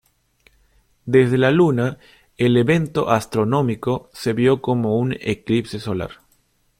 Desde la Luna, el evento astronómico se vio como un eclipse solar.